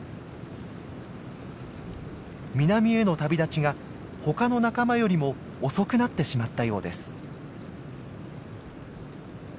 南への旅立ちが他の仲間よりも遅くなってしまったようです。